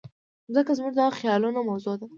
مځکه زموږ د خیالونو موضوع ده.